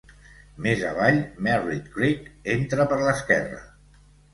Més avall, Merritt Creek entra per l'esquerra.